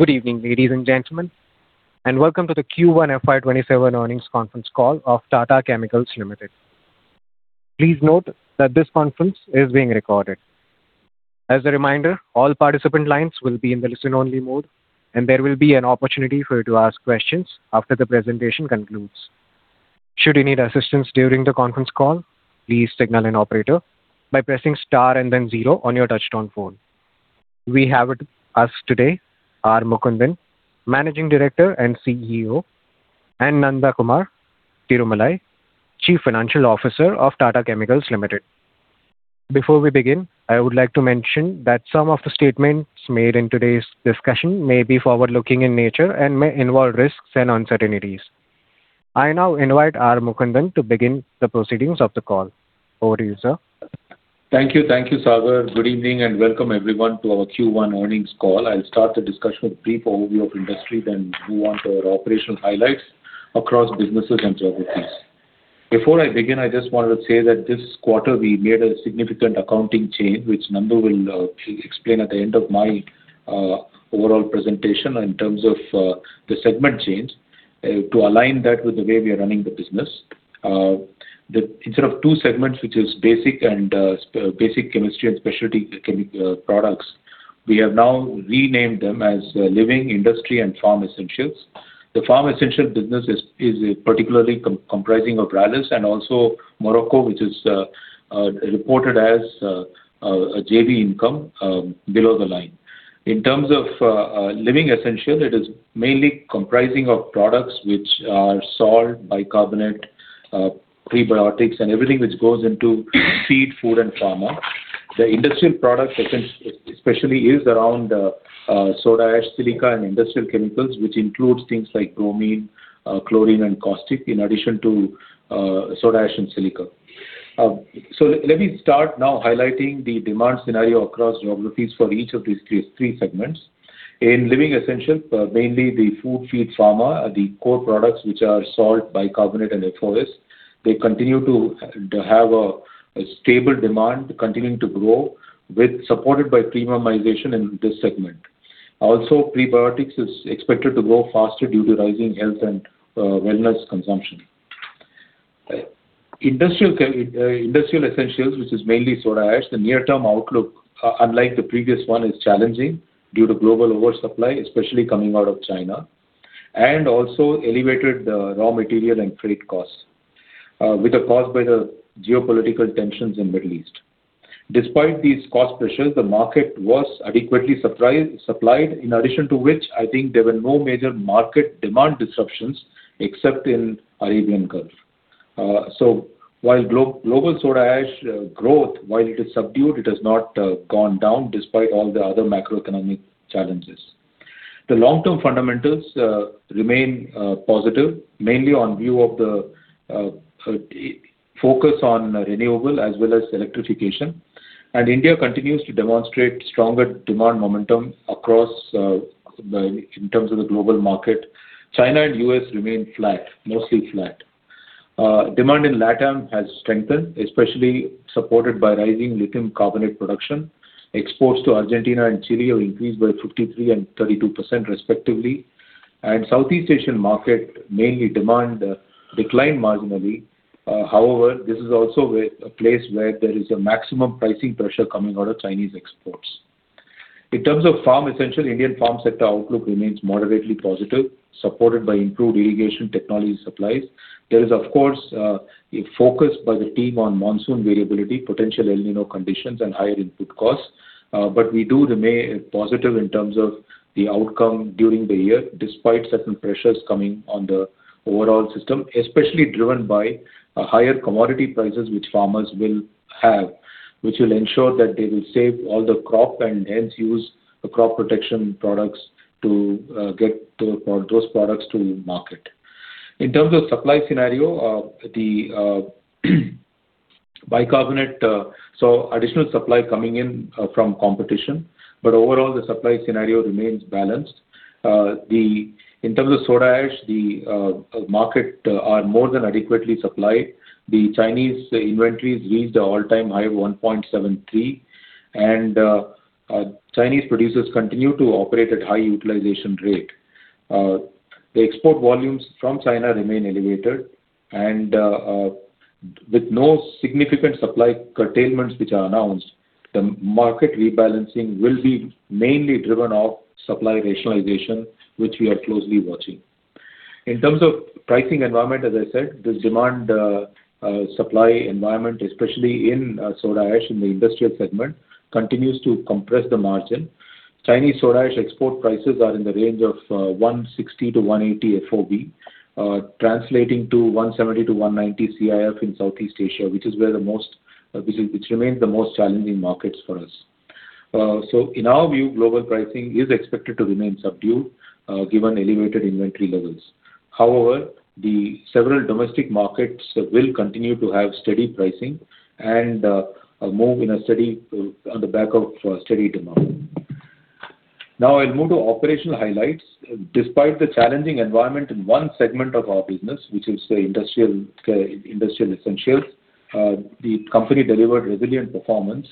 Good evening, ladies and gentlemen, and welcome to the Q1 FY 2027 earnings conference call of Tata Chemicals Limited. Please note that this conference is being recorded. As a reminder, all participant lines will be in the listen-only mode, and there will be an opportunity for you to ask questions after the presentation concludes. Should you need assistance during the conference call, please signal an operator by pressing star and then zero on your touchtone phone. We have with us today R. Mukundan, Managing Director and CEO, and Nandakumar Tirumalai, Chief Financial Officer of Tata Chemicals Limited. Before we begin, I would like to mention that some of the statements made in today's discussion may be forward-looking in nature and may involve risks and uncertainties. I now invite R. Mukundan to begin the proceedings of the call. Over to you, sir. Thank you, Sagar. Good evening, welcome everyone to our Q1 earnings call. I'll start the discussion with a brief overview of industry, then move on to our operational highlights across businesses and geographies. Before I begin, I just wanted to say that this quarter we made a significant accounting change, which Nandakumar will explain at the end of my overall presentation in terms of the segment change to align that with the way we are running the business. Instead of two segments, which is basic chemistry and specialty chemical products, we have now renamed them as Living Essentials, Industrial Essentials, and Farm Essentials. The Farm Essentials business is particularly comprising of Rallis and also Morocco, which is reported as a JV income below the line. In terms of Living Essentials, it is mainly comprising of products which are salt, bicarbonate, prebiotics, and everything which goes into feed, food, and pharma. The Industrial Essentials especially is around soda ash, silica, and industrial chemicals, which includes things like bromine, chlorine, and caustic, in addition to soda ash and silica. Let me start now highlighting the demand scenario across geographies for each of these three segments. In Living Essentials, mainly the food, feed, pharma, the core products which are salt, bicarbonate, and FOS, they continue to have a stable demand continuing to grow, supported by premiumization in this segment. Also, prebiotics is expected to grow faster due to rising health and wellness consumption. Industrial Essentials, which is mainly soda ash, the near-term outlook, unlike the previous one, is challenging due to global oversupply, especially coming out of China, and also elevated raw material and freight costs which are caused by the geopolitical tensions in Middle East. Despite these cost pressures, the market was adequately supplied, in addition to which I think there were no major market demand disruptions except in Arabian Gulf. While global soda ash growth, while it is subdued, it has not gone down despite all the other macroeconomic challenges. The long-term fundamentals remain positive, mainly on view of the focus on renewable as well as electrification. India continues to demonstrate stronger demand momentum in terms of the global market. China and U.S. remain mostly flat. Demand in LATAM has strengthened, especially supported by rising lithium carbonate production. Exports to Argentina and Chile increased by 53% and 32% respectively. Southeast Asian market, mainly demand declined marginally. However, this is also a place where there is a maximum pricing pressure coming out of Chinese exports. In terms of Farm Essentials, Indian farm sector outlook remains moderately positive, supported by improved irrigation technology supplies. There is, of course, a focus by the team on monsoon variability, potential El Niño conditions, and higher input costs. We do remain positive in terms of the outcome during the year, despite certain pressures coming on the overall system, especially driven by higher commodity prices, which farmers will have, which will ensure that they will save all the crop and hence use crop protection products to get those products to market. In terms of supply scenario of the bicarbonate, additional supply coming in from competition. Overall, the supply scenario remains balanced. In terms of soda ash, the market are more than adequately supplied. The Chinese inventories reached the all-time high of 1.73 million tons, and Chinese producers continue to operate at high utilization rate. The export volumes from China remain elevated. With no significant supply curtailments which are announced, the market rebalancing will be mainly driven off supply rationalization, which we are closely watching. In terms of pricing environment, as I said, the demand supply environment, especially in soda ash in the Industrial Essentials segment, continues to compress the margin. Chinese soda ash export prices are in the range of 160-180 FOB, translating to 170-190 CIF in Southeast Asia, which remains the most challenging markets for us. In our view, global pricing is expected to remain subdued given elevated inventory levels. The several domestic markets will continue to have steady pricing and move on the back of steady demand. I'll move to operational highlights. Despite the challenging environment in one segment of our business, which is the Industrial Essentials, the company delivered resilient performance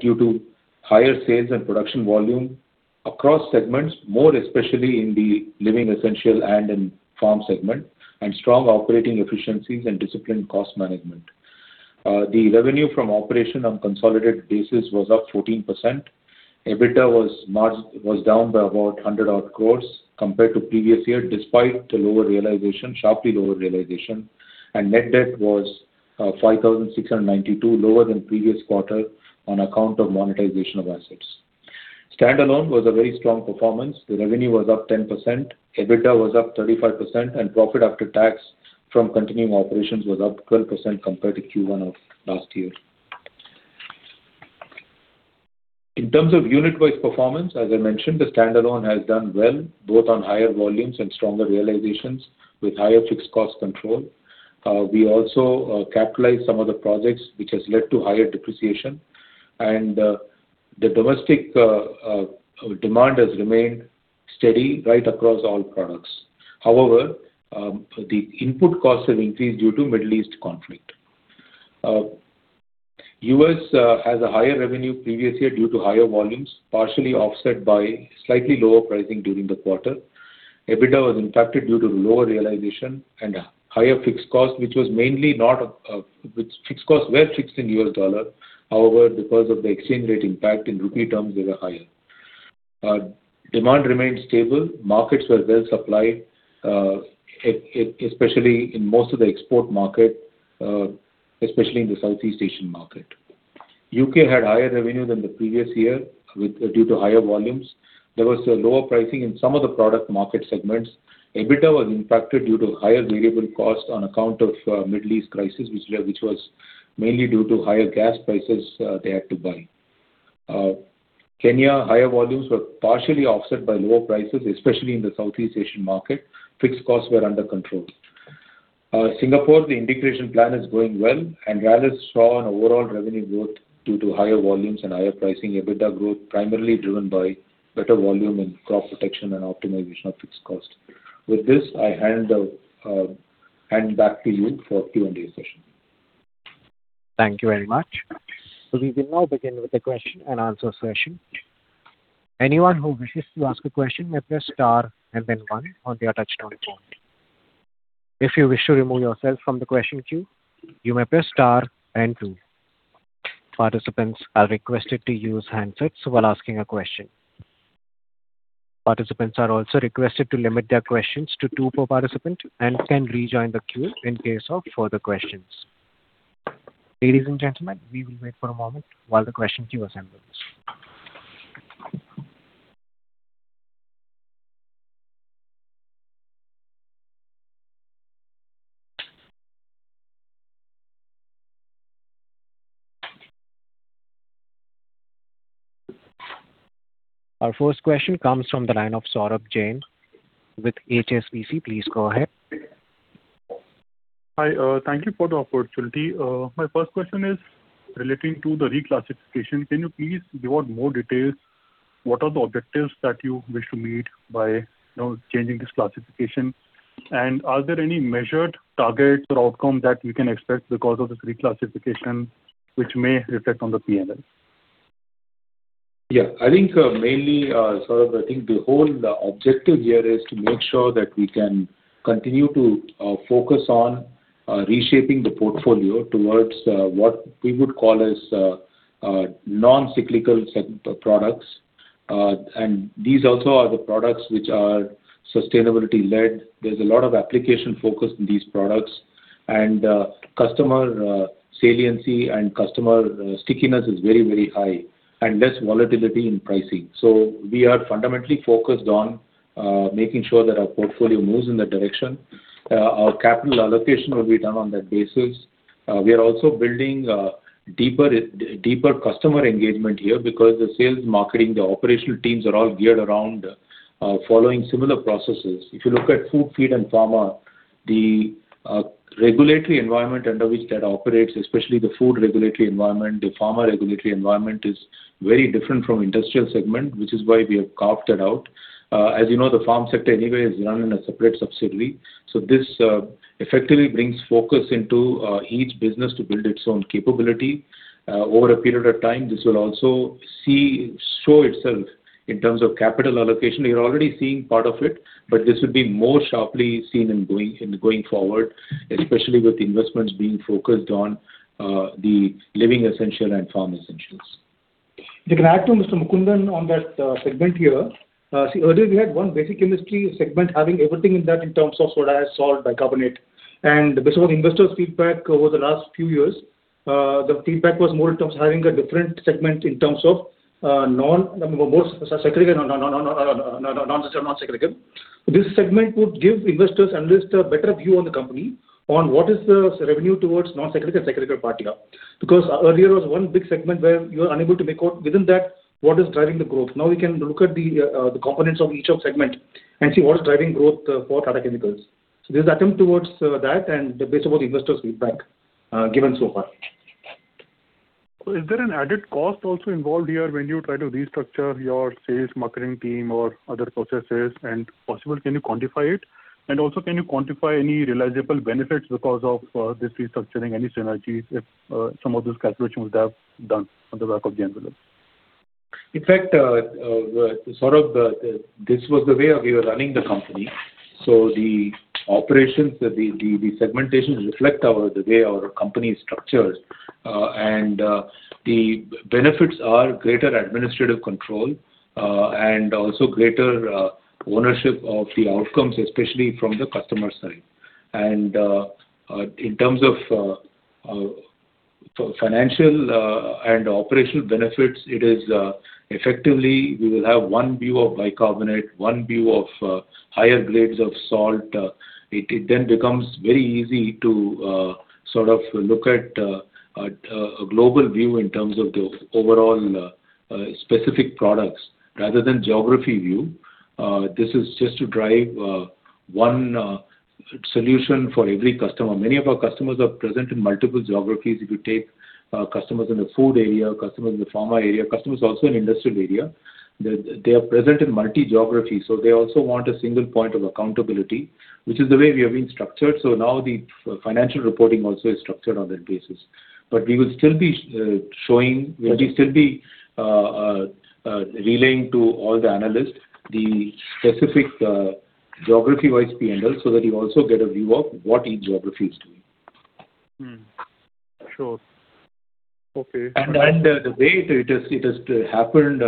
due to higher sales and production volume across segments, more especially in the Living Essentials and in Farm Essentials segment, and strong operating efficiencies and disciplined cost management. The revenue from operation on a consolidated basis was up 14%. EBITDA was down by about 100 crore compared to previous year, despite the sharply lower realization. Net debt was 5,692, lower than previous quarter on account of monetization of assets. Standalone was a very strong performance. The revenue was up 10%, EBITDA was up 35%, and profit after tax from continuing operations was up 12% compared to Q1 of last year. In terms of unit-wise performance, as I mentioned, the standalone has done well, both on higher volumes and stronger realizations with higher fixed cost control. We also capitalized some of the projects, which has led to higher depreciation. The domestic demand has remained steady right across all products. The input costs have increased due to Middle East conflict. U.S. has a higher revenue previous year due to higher volumes, partially offset by slightly lower pricing during the quarter. EBITDA was impacted due to lower realization and higher fixed cost, which fixed costs were fixed in USD. Because of the exchange rate impact, in INR terms, they were higher. Demand remained stable. Markets were well supplied, especially in most of the export market, especially in the Southeast Asian market. U.K. had higher revenue than the previous year due to higher volumes. There was a lower pricing in some of the product market segments. EBITDA was impacted due to higher variable cost on account of Middle East crisis, which was mainly due to higher gas prices they had to buy. Kenya, higher volumes were partially offset by lower prices, especially in the Southeast Asian market. Fixed costs were under control. Singapore, the integration plan is going well and rather saw an overall revenue growth due to higher volumes and higher pricing. EBITDA growth primarily driven by better volume and cost protection and optimization of fixed cost. With this, I hand back to you for Q&A session. Thank you very much. We will now begin with the question and answer session. Anyone who wishes to ask a question may press star and then one on their touch-tone phone. If you wish to remove yourself from the question queue, you may press star and two. Participants are requested to use handsets while asking a question. Participants are also requested to limit their questions to two per participant and can rejoin the queue in case of further questions. Ladies and gentlemen, we will wait for a moment while the question queue assembles. Our first question comes from the line of Saurabh Jain with HSBC. Please go ahead. Hi. Thank you for the opportunity. My first question is relating to the reclassification. Can you please give out more details? What are the objectives that you wish to meet by changing this classification? Are there any measured targets or outcome that we can expect because of this reclassification, which may affect on the P&L? Yeah. Saurabh, I think the whole objective here is to make sure that we can continue to focus on reshaping the portfolio towards what we would call as non-cyclical set of products. These also are the products which are sustainability led. There's a lot of application focus in these products and customer saliency and customer stickiness is very high and less volatility in pricing. We are fundamentally focused on making sure that our portfolio moves in that direction. Our capital allocation will be done on that basis. We are also building deeper customer engagement here because the sales marketing, the operational teams are all geared around following similar processes. If you look at food, feed, and pharma, the regulatory environment under which that operates, especially the food regulatory environment, the pharma regulatory environment, is very different from industrial segment, which is why we have carved that out. As you know, the Farm sector anyway is run in a separate subsidiary. This effectively brings focus into each business to build its own capability. Over a period of time, this will also show itself in terms of capital allocation. We are already seeing part of it, but this would be more sharply seen in going forward, especially with investments being focused on the Living Essentials and Farm Essentials. If I can add to Mr. Mukundan on that segment here. Earlier we had one basic chemistry segment, having everything in that in terms of soda ash, salt, bicarbonate. Based on investors' feedback over the last few years, the feedback was more in terms of having a different segment in terms of non-cyclical. This segment would give investors and analysts a better view on the company on what is the revenue towards non-cyclical and cyclical part here. Earlier was one big segment where you are unable to make out within that what is driving the growth. Now we can look at the components of each segment and see what is driving growth for Tata Chemicals. There's attempt towards that and based on investors feedback given so far. Is there an added cost also involved here when you try to restructure your sales marketing team or other processes and possible can you quantify it? Also, can you quantify any realizable benefits because of this restructuring, any synergies if some of those calculations would have done on the back of the envelope? In fact, this was the way we were running the company. The operations, the segmentation reflect the way our company is structured. The benefits are greater administrative control, and also greater ownership of the outcomes, especially from the customer side. In terms of financial and operational benefits, effectively, we will have one view of bicarbonate, one view of higher grades of salt. It then becomes very easy to look at a global view in terms of the overall specific products rather than geography view. This is just to drive one solution for every customer. Many of our customers are present in multiple geographies. If you take customers in the food area, customers in the pharma area, customers also in industrial area, they are present in multi-geography. They also want a single point of accountability, which is the way we have been structured. The financial reporting also is structured on that basis. We will still be relaying to all the analysts the specific geography-wise P&L so that you also get a view of what each geography is doing. Sure. Okay. The way it has happened,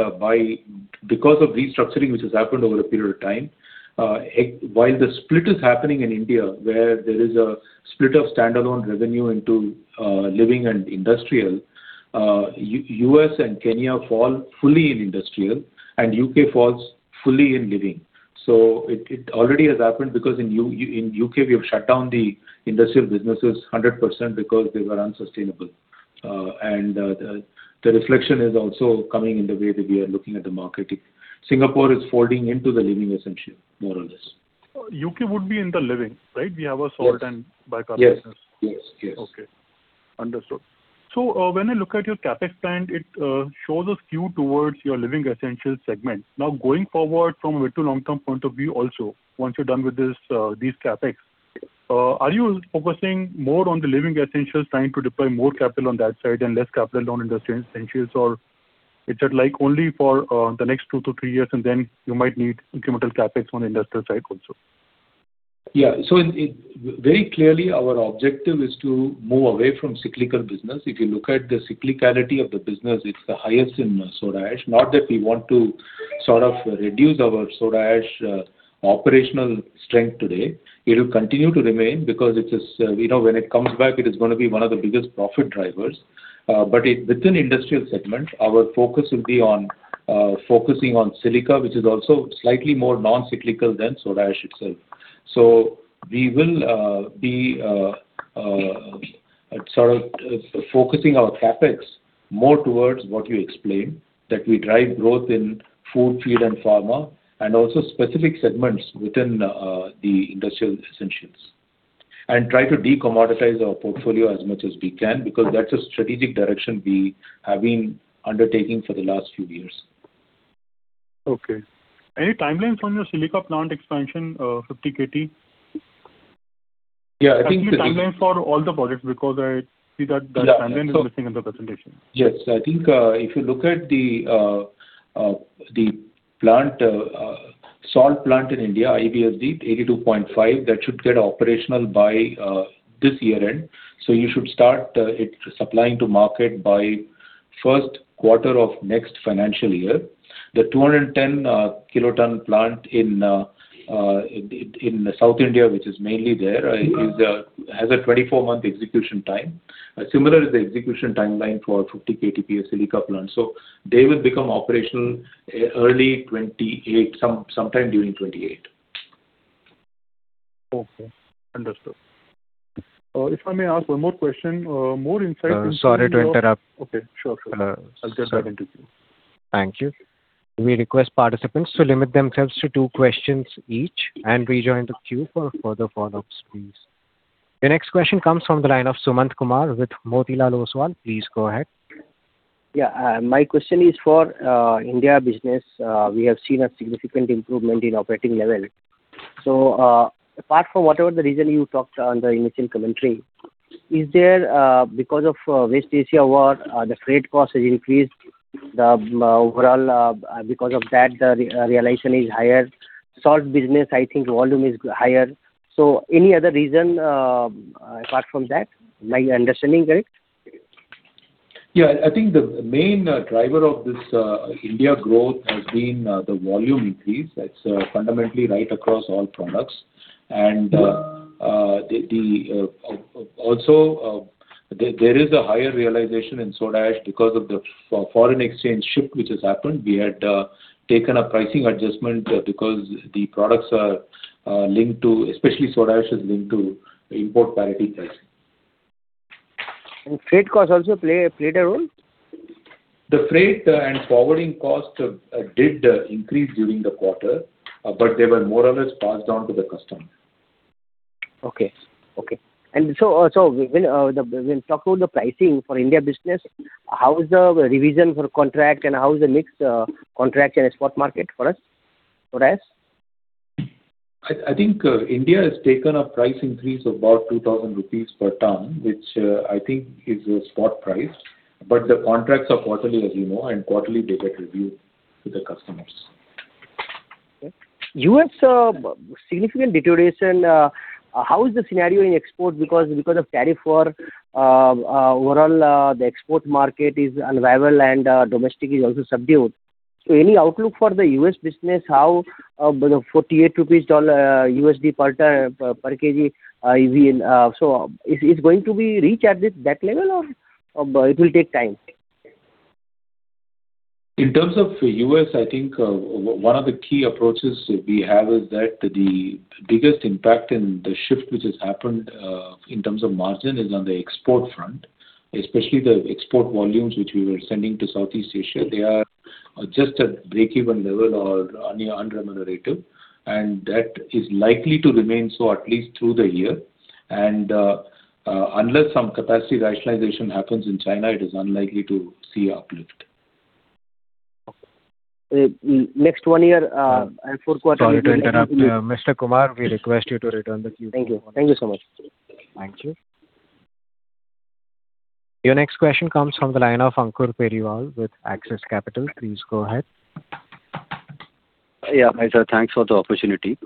because of restructuring, which has happened over a period of time, while the split is happening in India, where there is a split of standalone revenue into Living and Industrial, U.S. and Kenya fall fully in Industrial and U.K. falls fully in Living. It already has happened because in U.K., we have shut down the Industrial businesses 100% because they were unsustainable. The reflection is also coming in the way that we are looking at the market. Singapore is folding into the Living Essentials, more or less. U.K. would be in the Living, right? We have our salt and bicarbonate. Yes. Okay. Understood. When I look at your CapEx plan, it shows a skew towards your Living Essentials segment. Now, going forward from a mid to long term point of view also, once you are done with these CapEx, are you focusing more on the Living Essentials, trying to deploy more capital on that side and less capital on Industrial Essentials? Or is it only for the next two to three years, and then you might need incremental CapEx on industrial side also? Yeah. Very clearly our objective is to move away from cyclical business. If you look at the cyclicality of the business, it is the highest in soda ash. Not that we want to reduce our soda ash operational strength today. It will continue to remain because when it comes back, it is going to be one of the biggest profit drivers. Within Industrial segment, our focus will be on focusing on silica, which is also slightly more non-cyclical than soda ash itself. We will be focusing our CapEx more towards what you explained, that we drive growth in food, feed, and pharma, and also specific segments within the Industrial Essentials, and try to de-commoditize our portfolio as much as we can, because that is a strategic direction we have been undertaking for the last few years. Okay. Any timeline from your silica plant expansion, 50 KT? Yeah. Actually, timeline for all the projects because I see that the timeline is missing in the presentation. Yes. I think if you look at the salt plant in India, IVSD 82.5 KTPA, that should get operational by this year end. You should start it supplying to market by first quarter of next financial year. The 210-KT plant in South India, which is mainly there, has a 24-month execution time. Similar is the execution timeline for our 50 KTPA silica plant. They will become operational early 2028, sometime during 2028. Okay. Understood. If I may ask one more question, more insight into your- Sorry to interrupt. Okay, sure. Sir. I'll get back into queue. Thank you. We request participants to limit themselves to two questions each and rejoin the queue for further follow-ups, please. The next question comes from the line of Sumant Kumar with Motilal Oswal. Please go ahead. My question is for India business. We have seen a significant improvement in operating level. Apart from whatever the reason you talked on the initial commentary, is there, because of West Asia war, the freight cost has increased, because of that, the realization is higher. salt business, I think volume is higher. Any other reason apart from that? My understanding correct? I think the main driver of this India growth has been the volume increase. That's fundamentally right across all products. Also, there is a higher realization in soda ash because of the foreign exchange shift which has happened. We had taken a pricing adjustment because the products are linked to, especially soda ash, is linked to import parity pricing. Freight cost also played a role? The freight and forwarding cost did increase during the quarter, but they were more or less passed on to the customer. Okay. When we talk about the pricing for India business, how is the revision for contract and how is the mix, contract and spot market for us? For us? I think India has taken a price increase of about 2,000 rupees per ton, which I think is a spot price. The contracts are quarterly, as you know, and quarterly they get reviewed with the customers. U.S. significant deterioration. How is the scenario in export? Because of tariff war, overall, the export market is unviable and domestic is also subdued. Any outlook for the U.S. business, how $48 per kg [EVN]. It's going to be reached at that level, or it will take time? In terms of U.S., I think one of the key approaches we have is that the biggest impact in the shift which has happened in terms of margin is on the export front, especially the export volumes which we were sending to Southeast Asia. They are just at breakeven level or near unremunerative, and that is likely to remain so at least through the year. Unless some capacity rationalization happens in China, it is unlikely to see uplift. Next one year and fourth quarter. Sorry to interrupt. Mr. Kumar, we request you to return the queue. Thank you. Thank you so much. Thank you. Your next question comes from the line of Ankur Periwal with Axis Capital. Please go ahead. Yeah. Hi, sir. Thanks for the opportunity.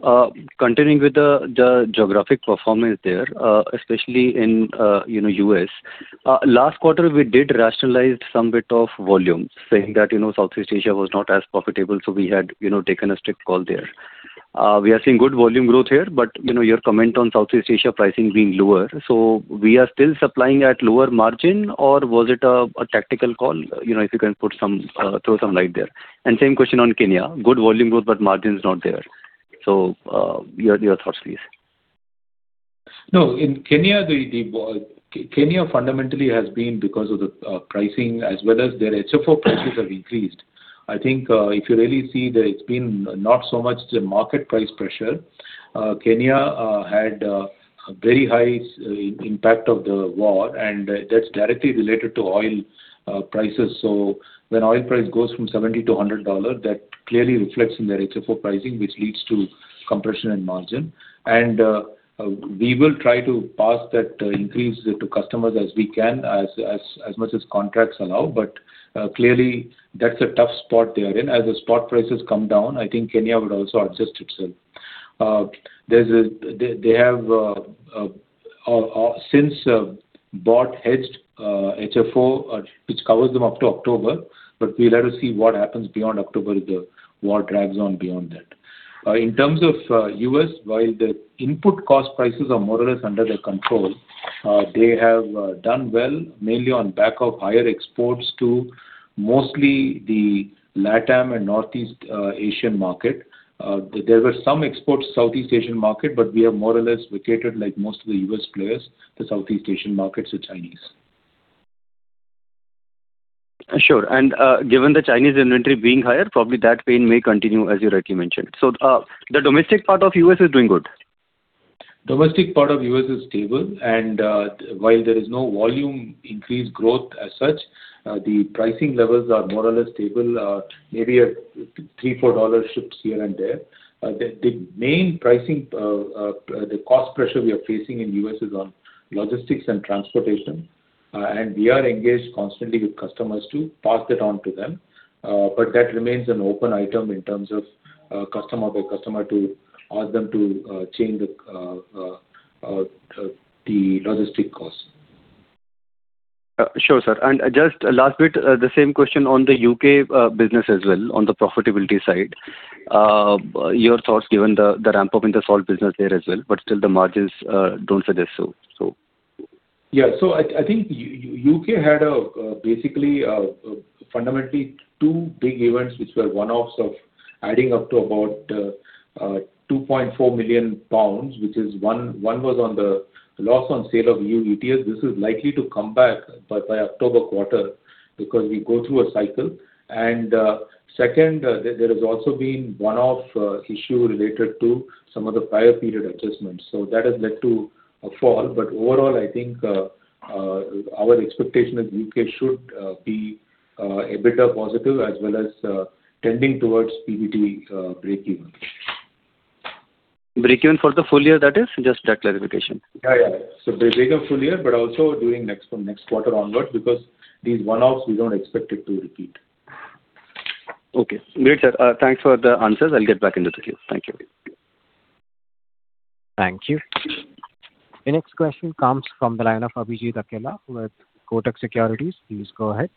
Continuing with the geographic performance there, especially in U.S. Last quarter, we did rationalize some bit of volume, saying that Southeast Asia was not as profitable, so we had taken a strict call there. We are seeing good volume growth here, but your comment on Southeast Asia pricing being lower. We are still supplying at lower margin or was it a tactical call? If you can throw some light there. Same question on Kenya. Good volume growth, but margin is not there. Your thoughts, please. No, Kenya fundamentally has been because of the pricing as well as their HFO prices have increased. I think if you really see that it has been not so much the market price pressure. Kenya had a very high impact of the war, and that is directly related to oil prices. When oil price goes from $70 to $100, that clearly reflects in their HFO pricing, which leads to compression in margin. We will try to pass that increase to customers as we can, as much as contracts allow. Clearly, that is a tough spot they are in. As the spot prices come down, I think Kenya would also adjust itself. They have since bought hedged HFO, which covers them up to October, but we will have to see what happens beyond October if the war drags on beyond that. In terms of U.S., while the input cost prices are more or less under their control, they have done well mainly on back of higher exports to mostly the LATAM and Northeast Asian market. There were some exports Southeast Asian market, but we have more or less vacated, like most of the U.S. players, the Southeast Asian markets to Chinese. Sure. Given the Chinese inventory being higher, probably that pain may continue as you rightly mentioned. The domestic part of U.S. is doing good? Domestic part of U.S. is stable, while there is no volume increase growth as such, the pricing levels are more or less stable, maybe a $3, $4 shifts here and there. The cost pressure we are facing in U.S. is on logistics and transportation, we are engaged constantly with customers to pass that on to them. That remains an open item in terms of customer by customer to ask them to change the logistic cost. Sure, sir. Just last bit, the same question on the U.K. business as well, on the profitability side. Your thoughts, given the ramp-up in the salt business there as well, still the margins don't suggest so. I think U.K. had basically, fundamentally two big events which were one-offs of adding up to about 2.4 million pounds, which is one was on the loss on sale of UTS. This is likely to come back by October quarter because we go through a cycle. Second, there has also been one-off issue related to some of the prior period adjustments. That has led to a fall. Overall, I think our expectation is U.K. should be EBITDA positive as well as tending towards PBT breakeven. Breakeven for the full year, that is? Just that clarification. Breakeven full year, but also during from next quarter onwards, because these one-offs, we don't expect it to repeat. Okay, great, sir. Thanks for the answers. I'll get back into the queue. Thank you. Thank you. The next question comes from the line of Abhijit Akella with Kotak Securities. Please go ahead.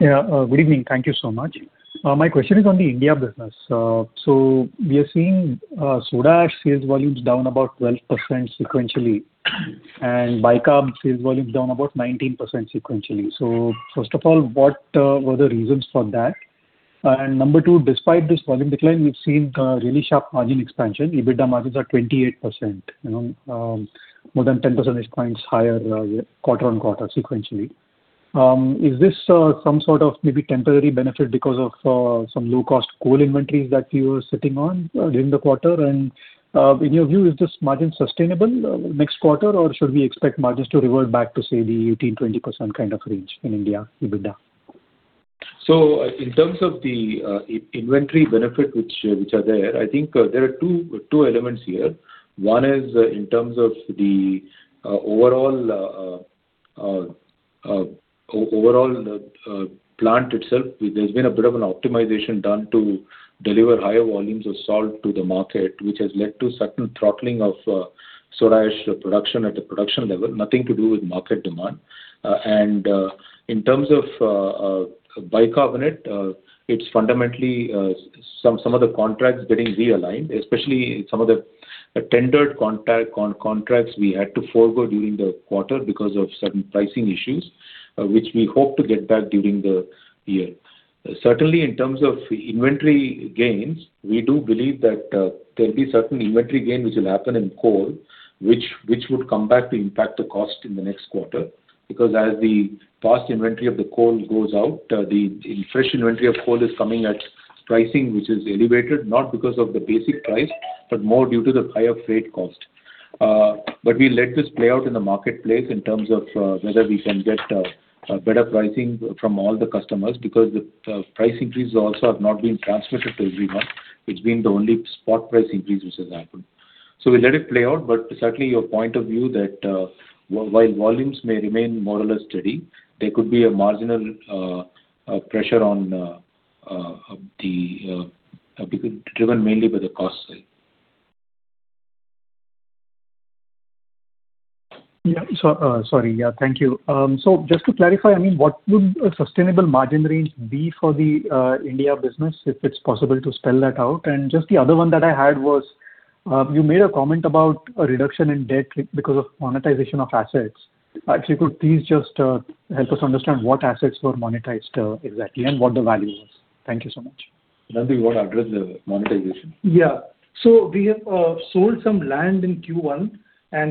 Yeah. Good evening. Thank you so much. My question is on the India business. First of all, we are seeing soda ash sales volumes down about 12% sequentially and bicarb sales volumes down about 19% sequentially. What were the reasons for that? Number two, despite this volume decline, we've seen a really sharp margin expansion. EBITDA margins are 28%, more than 10 percentage points higher quarter-on-quarter sequentially. Is this some sort of maybe temporary benefit because of some low-cost coal inventories that you were sitting on during the quarter? In your view, is this margin sustainable next quarter, or should we expect margins to revert back to, say, the 18%-20% kind of range in India EBITDA? In terms of the inventory benefit which are there, I think there are two elements here. One is in terms of the overall plant itself. There's been a bit of an optimization done to deliver higher volumes of salt to the market, which has led to certain throttling of soda ash production at the production level, nothing to do with market demand. In terms of bicarbonate, it's fundamentally some of the contracts getting realigned, especially some of the tendered contracts we had to forego during the quarter because of certain pricing issues, which we hope to get back during the year. Certainly, in terms of inventory gains, we do believe that there'll be certain inventory gain which will happen in coal, which would come back to impact the cost in the next quarter. Because as the past inventory of the coal goes out, the fresh inventory of coal is coming at pricing, which is elevated, not because of the basic price, but more due to the higher freight cost. We let this play out in the marketplace in terms of whether we can get better pricing from all the customers because the price increase also have not been transmitted to everyone. It's been the only spot price increase which has happened. We let it play out. Certainly, your point of view that while volumes may remain more or less steady, there could be a marginal pressure driven mainly by the cost side. Yeah. Sorry. Thank you. Just to clarify, what would a sustainable margin range be for the India business, if it's possible to spell that out? Just the other one that I had was, you made a comment about a reduction in debt because of monetization of assets. Actually, could you please just help us understand what assets were monetized exactly and what the value was? Thank you so much. Nandakumar, you want to address the monetization? Yeah. We have sold some land in Q1,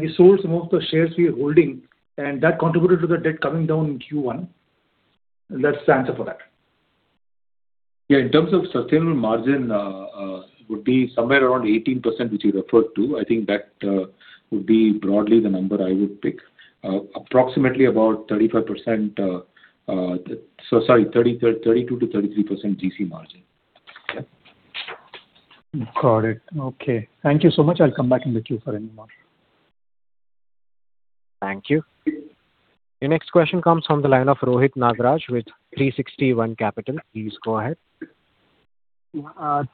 we sold some of the shares we are holding, that contributed to the debt coming down in Q1. That's the answer for that. Yeah. In terms of sustainable margin, would be somewhere around 18%, which you referred to. I think that would be broadly the number I would pick. Approximately about 32%-33% Gross margin. Yeah. Got it. Okay. Thank you so much. I'll come back in the queue for any more. Thank you. Your next question comes from the line of Rohit Nagraj with 360 ONE Capital. Please go ahead.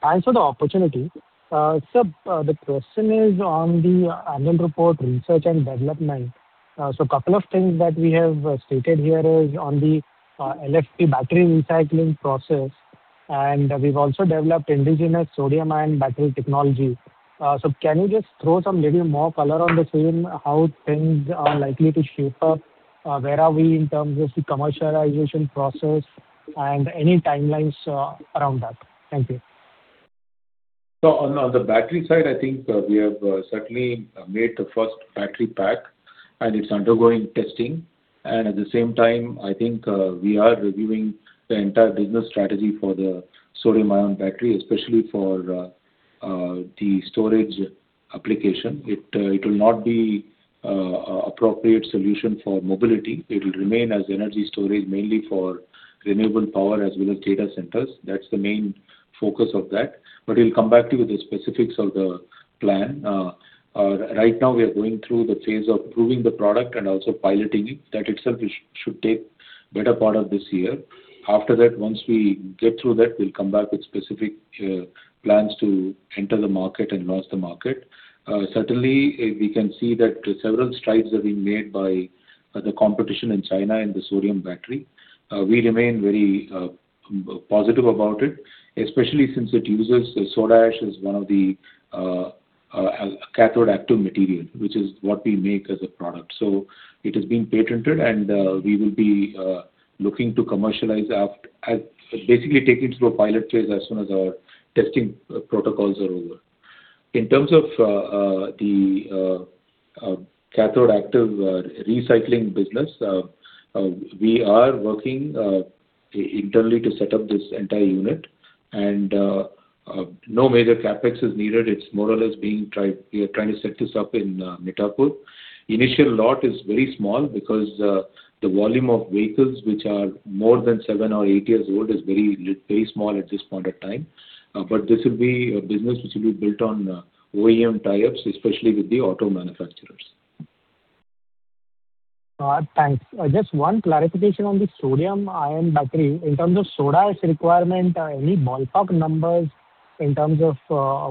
Thanks for the opportunity. Sir, the question is on the annual report research and development. A couple of things that we have stated here is on the LFP battery recycling process, and we've also developed indigenous sodium-ion battery technology. Can you just throw some little more color on the same, how things are likely to shape up? Where are we in terms of the commercialization process and any timelines around that? Thank you. On the battery side, I think we have certainly made the first battery pack and it's undergoing testing. At the same time, I think we are reviewing the entire business strategy for the sodium-ion battery, especially for the storage application. It will not be appropriate solution for mobility. It will remain as energy storage mainly for renewable power as well as data centers. That's the main focus of that. We'll come back to you with the specifics of the plan. Right now we are going through the phase of proving the product and also piloting it. That itself should take better part of this year. After that, once we get through that, we'll come back with specific plans to enter the market and launch the market. Certainly, we can see that several strides have been made by the competition in China in the sodium battery. We remain very positive about it, especially since it uses soda ash as one of the cathode active material, which is what we make as a product. It has been patented, and we will be looking to commercialize, basically take it through a pilot phase as soon as our testing protocols are over. In terms of the cathode active recycling business, we are working internally to set up this entire unit, and no major CapEx is needed. It's more or less we are trying to set this up in Mithapur. Initial lot is very small because the volume of vehicles which are more than seven or eight years old is very small at this point of time. This will be a business which will be built on OEM tie-ups, especially with the auto manufacturers. Thanks. Just one clarification on the sodium-ion battery. In terms of soda ash requirement, any ballpark numbers in terms of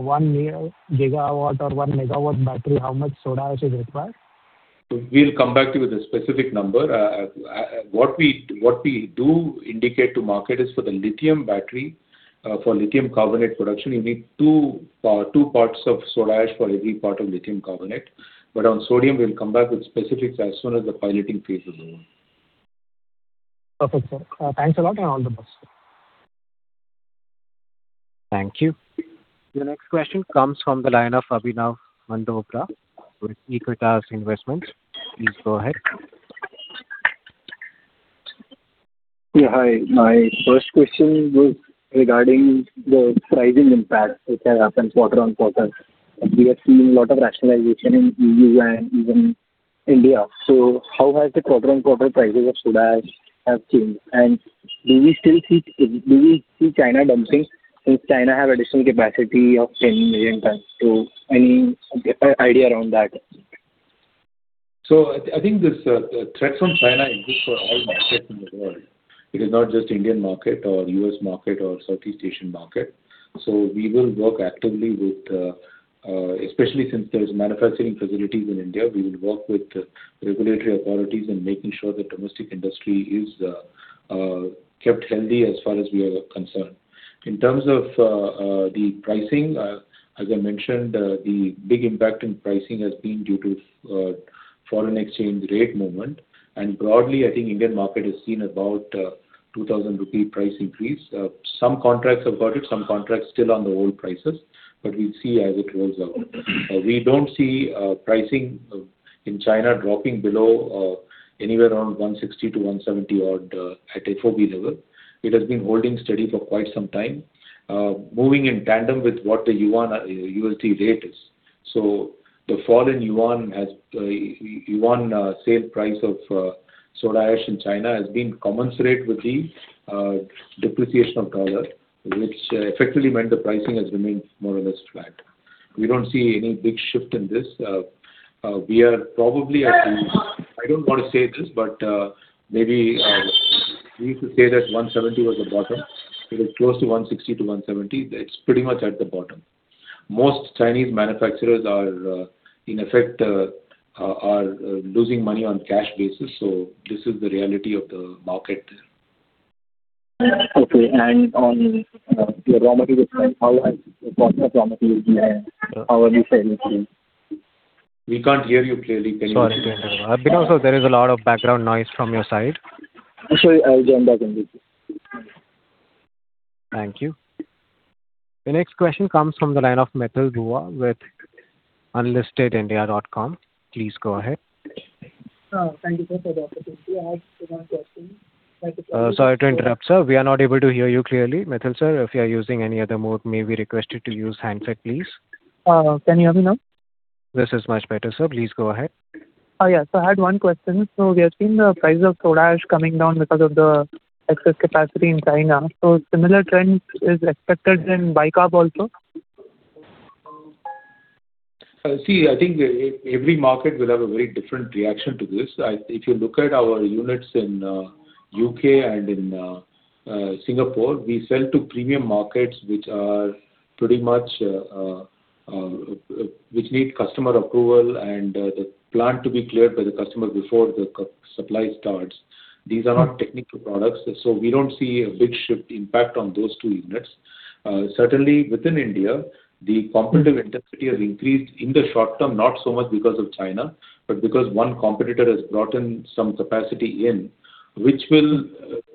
1 GW or 1 MW battery, how much soda ash is required? We'll come back to you with a specific number. What we do indicate to market is for the lithium battery, for lithium carbonate production, you need two parts of soda ash for every part of lithium carbonate. On sodium, we'll come back with specifics as soon as the piloting phase is over. Perfect, sir. Thanks a lot, and all the best. Thank you. The next question comes from the line of Abhinav Mandowara with Aequitas Investments. Please go ahead. Yeah, hi. My first question was regarding the pricing impact which has happened quarter-on-quarter. We are seeing a lot of rationalization in EU and even India. How has the quarter-on-quarter prices of soda ash have changed? Do we still see China dumping since China have additional capacity of 10 million tons? Any idea around that? I think this threat from China is good for all markets in the world. It is not just Indian market or U.S. market or Southeast Asian market. We will work actively, especially since there's manufacturing facilities in India, we will work with regulatory authorities in making sure that domestic industry is kept healthy as far as we are concerned. In terms of the pricing, as I mentioned, the big impact in pricing has been due to foreign exchange rate movement. Broadly, I think Indian market has seen about 2,000 rupee price increase. Some contracts have got it, some contracts still on the old prices, but we'll see as it rolls out. We don't see pricing in China dropping below anywhere around $160-$170 odd at FOB level. It has been holding steady for quite some time. Moving in tandem with what the yuan/USD rate is. The fall in yuan sale price of soda ash in China has been commensurate with the depreciation of dollar, which effectively meant the pricing has remained more or less flat. We don't see any big shift in this. We are probably at the I don't want to say this, but maybe we could say that 170 was the bottom. It is close to 160 to 170. It's pretty much at the bottom. Most Chinese manufacturers are, in effect, are losing money on cash basis. This is the reality of the market. Okay. On your raw material side, how has the cost of raw material been, and how are you fairing? We can't hear you clearly. Can you- Sorry to interrupt. There is a lot of background noise from your side. Sorry. I'll join back in. Thank you. The next question comes from the line of Mithil Bhuva with unlistedindia.com. Please go ahead. Thank you, sir, for the opportunity. I have one question. Sorry to interrupt, sir. We are not able to hear you clearly. Mithil sir, if you are using any other mode, may we request you to use handset, please. Can you hear me now? This is much better, sir. Please go ahead. Yes. I had one question. We have seen the price of soda ash coming down because of the excess capacity in China. Similar trends is expected in bicarb also? I think every market will have a very different reaction to this. If you look at our units in U.K. and in Singapore, we sell to premium markets, which need customer approval and the plant to be cleared by the customer before the supply starts. These are not technical products, we don't see a big shift impact on those two units. Certainly, within India, the competitive intensity has increased in the short term, not so much because of China, but because one competitor has brought in some capacity in, which will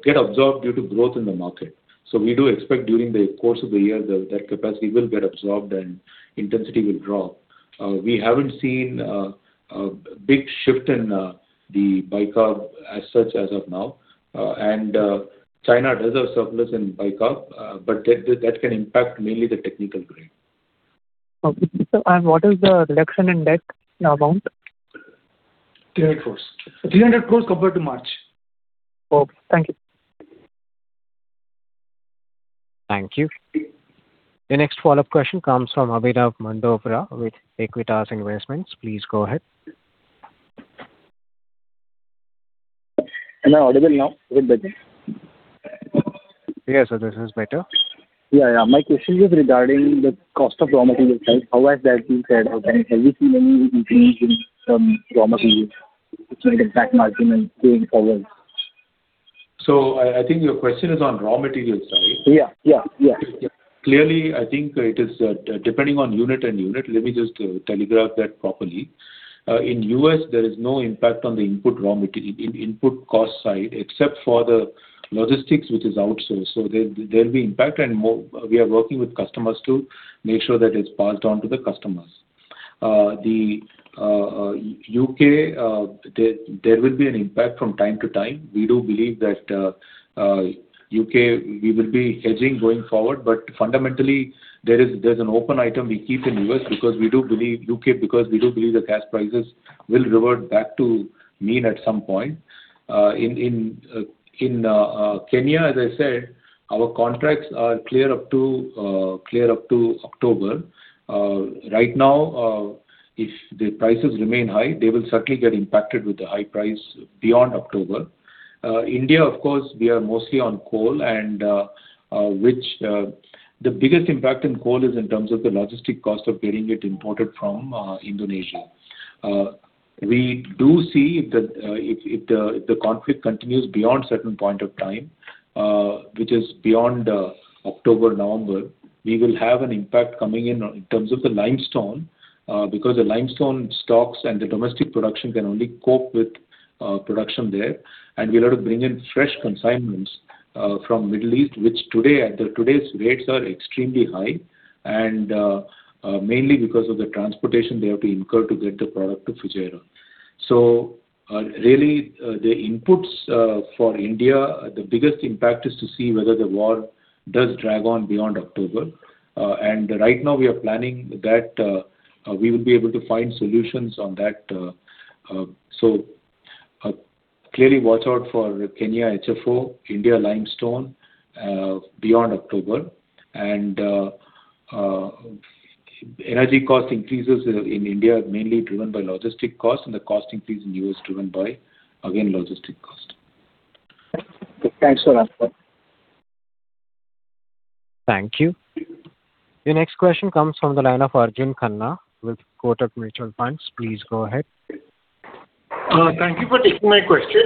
get absorbed due to growth in the market. We do expect during the course of the year that capacity will get absorbed and intensity will drop. We haven't seen a big shift in the bicarb as such as of now. China has a surplus in bicarb, but that can impact mainly the technical grade. Okay. What is the reduction in debt amount? 300 crores. 300 crores compared to March. Okay. Thank you. Thank you. The next follow-up question comes from Abhinav Mandowara with Aequitas Investments. Please go ahead. Am I audible now? A bit better? Yes, sir, this is better. Yeah. My question is regarding the cost of raw material side. How has that been fared, and have you seen any increase in raw material which may impact margin going forward? I think your question is on raw material side. Yeah. Clearly, I think it is depending on unit and unit. Let me just telegraph that properly. In U.S., there is no impact on the input raw material, in input cost side, except for the logistics, which is outsourced. There will be impact, and we are working with customers to make sure that it's passed on to the customers. The U.K., there will be an impact from time to time. We do believe that U.K., we will be hedging going forward. Fundamentally, there's an open item we keep in U.S. because we do believe U.K., because we do believe the gas prices will revert back to mean at some point. In Kenya, as I said, our contracts are clear up to October. Right now, if the prices remain high, they will certainly get impacted with the high price beyond October. India, of course, we are mostly on coal, and the biggest impact in coal is in terms of the logistic cost of getting it imported from Indonesia. We do see if the conflict continues beyond certain point of time, which is beyond October, November, we will have an impact coming in in terms of the limestone. The limestone stocks and the domestic production can only cope with production there, and we will have to bring in fresh consignments from Middle East, which today's rates are extremely high, and mainly because of the transportation they have to incur to get the product to Fujairah. Really, the inputs for India, the biggest impact is to see whether the war does drag on beyond October. Right now we are planning that we will be able to find solutions on that. Clearly watch out for Kenya HFO, India limestone, beyond October. Energy cost increases in India are mainly driven by logistic costs and the cost increase in U.S. driven by, again, logistic cost. Thanks a lot. Thank you. Your next question comes from the line of Arjun Khanna with Kotak Mutual Fund. Please go ahead. Thank you for taking my question.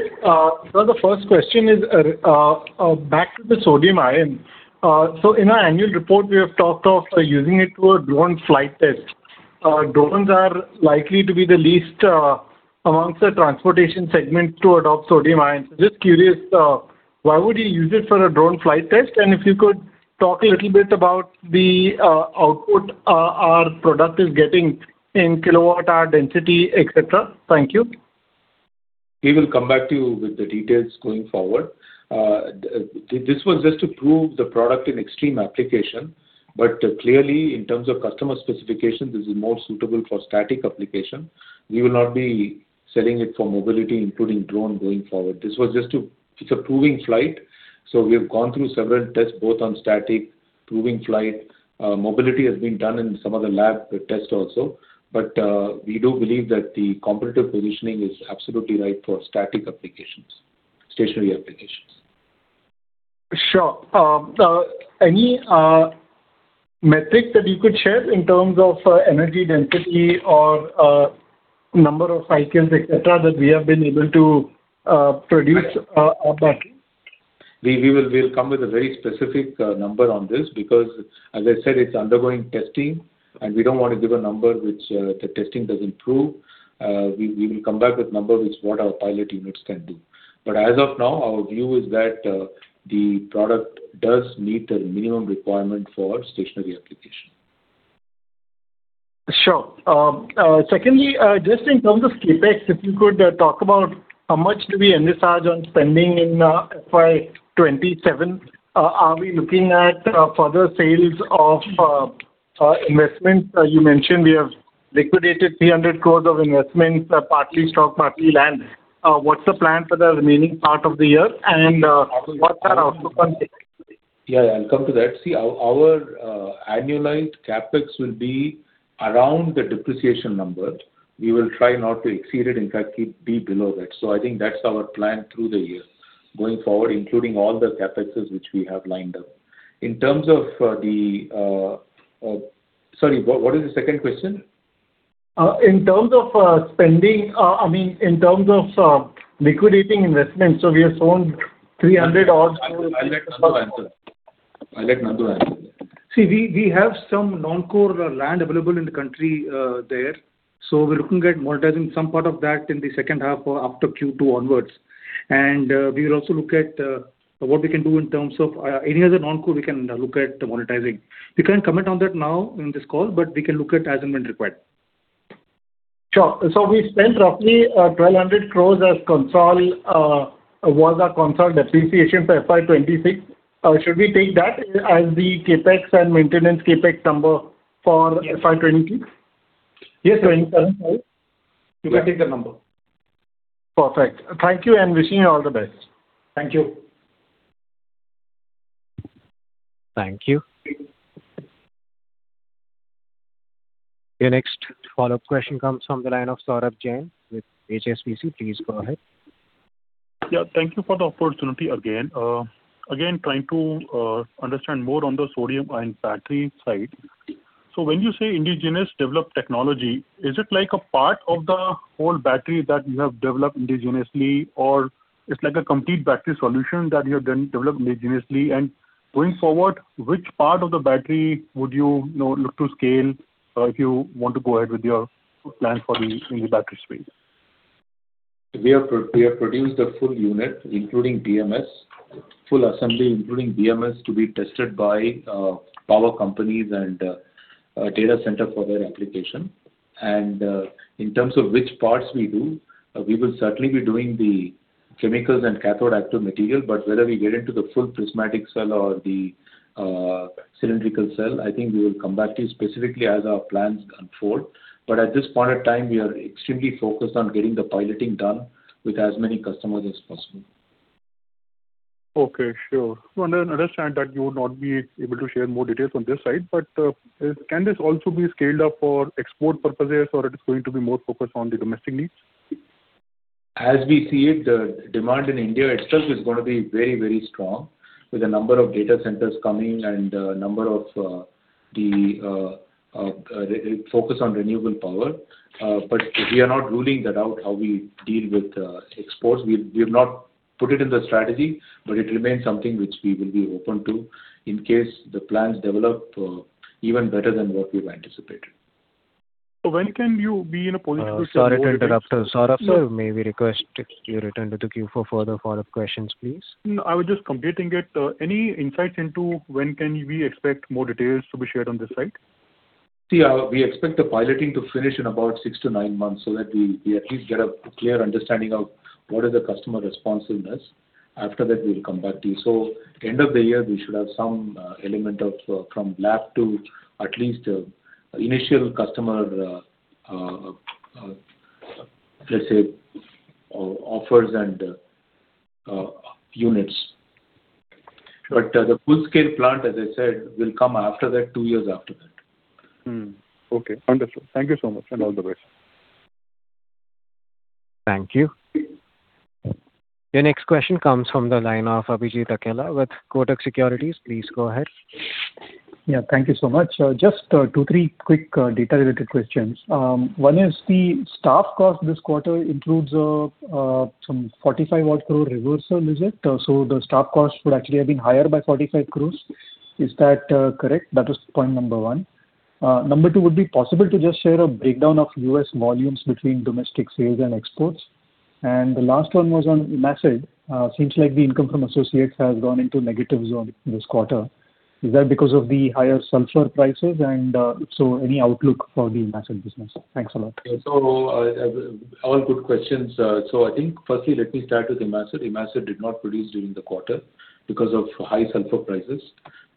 Sir, the first question is, back to the sodium ion. In our annual report, we have talked of using it for a drone flight test. Drones are likely to be the least amongst the transportation segment to adopt sodium ions. Just curious, why would you use it for a drone flight test? If you could talk a little bit about the output our product is getting in kilowatt, density, et cetera. Thank you. We will come back to you with the details going forward. This was just to prove the product in extreme application. Clearly, in terms of customer specifications, this is more suitable for static application. We will not be selling it for mobility, including drone going forward. It's a proving flight, we have gone through several tests, both on static, proving flight. Mobility has been done in some of the lab tests also. We do believe that the competitive positioning is absolutely right for static applications, stationary applications. Sure. Any metric that you could share in terms of energy density or number of cycles, et cetera, that we have been able to produce or battery? We'll come with a very specific number on this because, as I said, it's undergoing testing and we don't want to give a number which the testing doesn't prove. We will come back with number which what our pilot units can do. As of now, our view is that the product does meet the minimum requirement for stationary application. Sure. Secondly, just in terms of CapEx, if you could talk about how much do we envisage on spending in FY 2027. Are we looking at further sales of investments? You mentioned we have liquidated 300 crores of investment, partly stock, partly land. What's the plan for the remaining part of the year and what's our outlook on CapEx? Yeah, I'll come to that. See, our annualized CapEx will be around the depreciation number. We will try not to exceed it, in fact, be below that. I think that's our plan through the year going forward, including all the CapExes which we have lined up. In terms of the Sorry, what is the second question? In terms of spending, I mean, in terms of liquidating investments. We have sold 300 odd- I'll let Nandakumar answer. I'll let Nandakumar answer. See, we have some non-core land available in the country there. We're looking at monetizing some part of that in the second half or after Q2 onwards. We will also look at what we can do in terms of any other non-core we can look at monetizing. We can't comment on that now in this call, but we can look at as and when required. Sure. We spent roughly, 1,200 crores as consolidated depreciation for FY 2026. Should we take that as the CapEx and maintenance CapEx number for FY 2026? Yes. You can take the number. Perfect. Thank you, and wishing you all the best. Thank you. Thank you. Your next follow-up question comes from the line of Saurabh Jain with HSBC. Please go ahead. Yeah. Thank you for the opportunity again. Again, trying to understand more on the sodium-ion battery side. When you say indigenous developed technology, is it like a part of the whole battery that you have developed indigenously, or it's like a complete battery solution that you have then developed indigenously? Going forward, which part of the battery would you look to scale if you want to go ahead with your plans for the battery space? We have produced a full unit, including BMS. Full assembly, including BMS, to be tested by power companies and data center for their application. In terms of which parts we do, we will certainly be doing the chemicals and cathode active material, but whether we get into the full prismatic cell or the cylindrical cell, I think we will come back to you specifically as our plans unfold. At this point of time, we are extremely focused on getting the piloting done with as many customers as possible. Okay. Sure. I understand that you would not be able to share more details on this side, but can this also be scaled up for export purposes, or it is going to be more focused on the domestic needs? As we see it, the demand in India itself is going to be very strong with a number of data centers coming and a number of the focus on renewable power. We are not ruling that out, how we deal with exports. We've not put it in the strategy, but it remains something which we will be open to in case the plans develop even better than what we've anticipated. When can you be in a position to- Saurabh interrupted. Saurabh, may we request you return to the queue for further follow-up questions, please? I was just completing it. Any insights into when can we expect more details to be shared on this side? See, we expect the piloting to finish in about six to nine months so that we at least get a clear understanding of what is the customer responsiveness. After that, we'll come back to you. End of the year, we should have some element from lab to at least initial customer, let's say, offers and units. The full scale plant, as I said, will come after that, two years after that. Okay, understood. Thank you so much, and all the best. Thank you. Your next question comes from the line of Abhijit Akella with Kotak Securities. Please go ahead. Yeah, thank you so much. Just two, three quick data-related questions. One is the staff cost this quarter includes some 45 crore reversal, is it? The staff cost would actually have been higher by 45 crore. Is that correct? That was point number one. Number two, would it be possible to just share a breakdown of U.S. volumes between domestic sales and exports? The last one was on IMACID. Seems like the income from associates has gone into negative zone this quarter. Is that because of the higher sulfur prices? If so, any outlook for the IMACID business? Thanks a lot. All good questions. I think, firstly, let me start with IMACID. IMACID did not produce during the quarter because of high sulfur prices.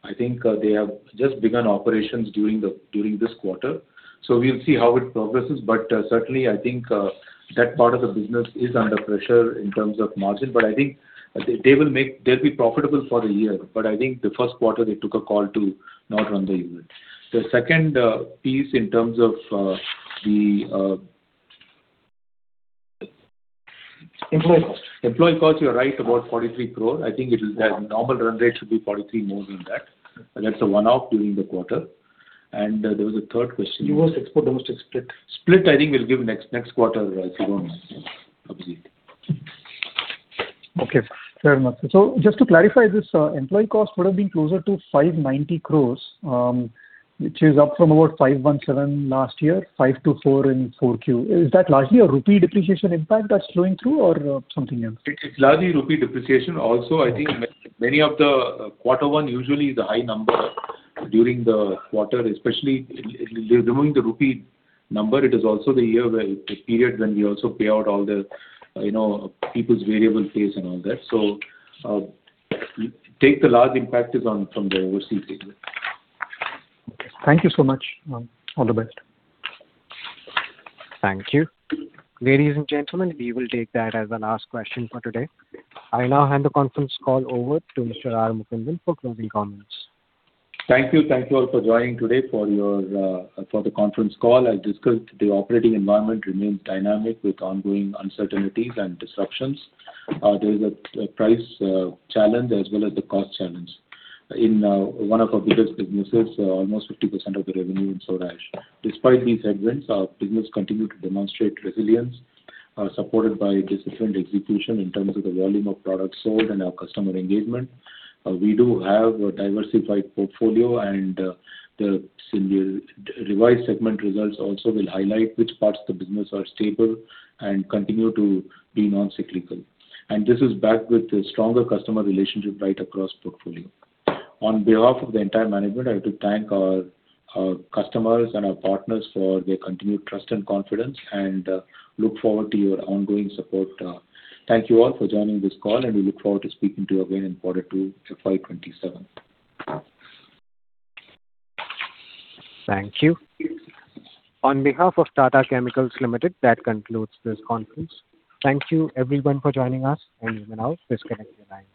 I think they have just begun operations during this quarter, so we'll see how it progresses. Certainly, I think that part of the business is under pressure in terms of margin. I think they'll be profitable for the year. I think the first quarter, they took a call to not run the unit. The second piece in terms of the- Employee cost. Employee cost, you're right, about 43 crore. I think the normal run rate should be 43 crore more than that. That's a one-off during the quarter. There was a third question. U.S. export, domestic split. Split, I think we'll give next quarter, if you don't mind, Abhijit. Just to clarify, this employee cost would have been closer to 590 crore, which is up from about 517 crore last year, 524 crore in 4Q. Is that largely a rupee depreciation impact that's flowing through or something else? It's largely rupee depreciation. Also, I think many of the quarter one usually the high number during the quarter, especially removing the rupee number, it is also the period when we also pay out all the people's variable pays and all that. The large impact is from the overseas segment. Okay. Thank you so much. All the best. Thank you. Ladies and gentlemen, we will take that as the last question for today. I now hand the conference call over to Mr. R. Mukundan for closing comments. Thank you. Thank you all for joining today for the conference call. As discussed, the operating environment remains dynamic with ongoing uncertainties and disruptions. There is a price challenge as well as the cost challenge in one of our biggest businesses, almost 50% of the revenue in soda ash. Despite these headwinds, our business continue to demonstrate resilience, supported by disciplined execution in terms of the volume of products sold and our customer engagement. We do have a diversified portfolio and the revised segment results also will highlight which parts of the business are stable and continue to be non-cyclical. This is backed with a stronger customer relationship right across portfolio. On behalf of the entire management, I would like to thank our customers and our partners for their continued trust and confidence, and look forward to your ongoing support. Thank you all for joining this call, and we look forward to speaking to you again in quarter two FY 2027. Thank you. On behalf of Tata Chemicals Limited, that concludes this conference. Thank you everyone for joining us, and you may now disconnect your lines.